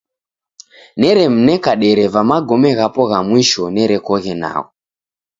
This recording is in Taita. Neremneka dereva magome ghapo gha mwisho nerekoghe nagho.